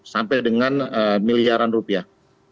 sampai dengan miliaran rupiah